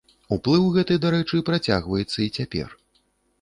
Уплыў гэты, дарэчы, працягваецца і цяпер.